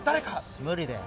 無理だよ。